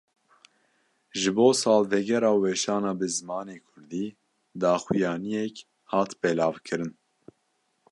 Ji bo salvegera weşana bi zimanê Kurdî, daxuyaniyek hat belavkirin